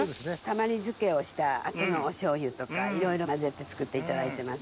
たまり漬けをした後のお醤油とかいろいろ混ぜて作っていただいてます。